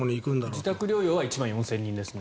自宅療養者は１万４０００人ですね。